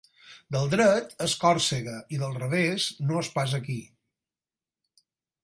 Del dret és Còrsega i del revés no és pas aquí.